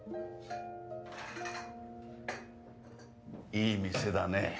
いい店だね。